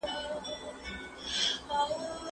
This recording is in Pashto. دا یوه دودیزه لاره وه چي ولس به پکي خپله برخه اخیستله.